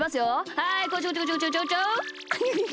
はいこちょこちょこちょこちょ。